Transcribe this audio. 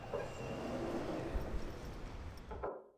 আমি কিছু অকাম করেছি।